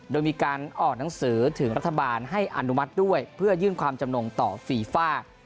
โดยมีการออกหนังสือถึงรัฐบาลให้อนุมัติด้วยเพื่อยื่นความจำนงต่อฟีฟ่า